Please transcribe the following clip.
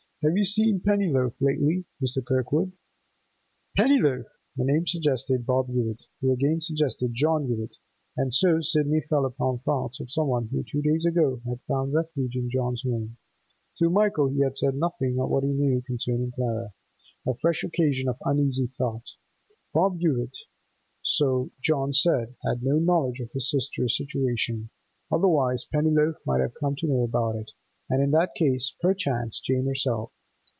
'Have you seen Pennyloaf lately, Mr. Kirkwood?' Pennyloaf? The name suggested Bob Hewett, who again suggested John Hewett, and so Sidney fell upon thoughts of some one who two days ago had found a refuge in John's home. To Michael he had said nothing of what he knew concerning Clara; a fresh occasion of uneasy thought. Bob Hewett—so John said—had no knowledge of his sister's situation, otherwise Pennyloaf might have come to know about it, and in that case, perchance, Jane herself.